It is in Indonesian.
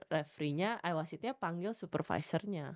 refereenya kewasitnya panggil supervisornya